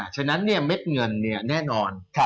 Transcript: ฉะนั้นเม็ดเงินแน่นอน